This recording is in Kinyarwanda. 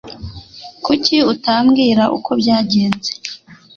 Kuki utambwira uko byagenze